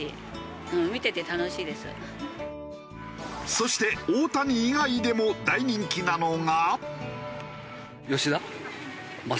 そして大谷以外でも大人気なのが。